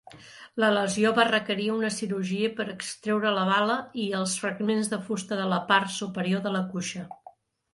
La lesió va requerir una cirurgia per extreure la bala i els fragments de fusta de la part superior de la cuixa.